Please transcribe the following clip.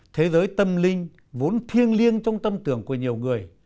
thế giới tâm linh vốn thiêng liêng trong tâm tưởng của nhiều người